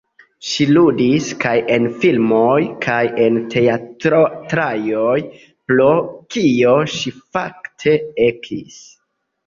Ŝi ludis kaj en filmoj kaj en teatraĵoj, pro kio ŝi fakte ekis.